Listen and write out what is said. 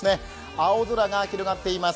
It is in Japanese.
青空が広がっています。